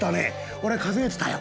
「おれ数えてたよ。